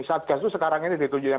satgas itu sekarang ini ditunjukin